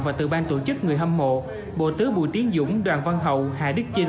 và từ ban tổ chức người hâm mộ bộ tứ bùi tiến dũng đoàn văn hậu hà đức trinh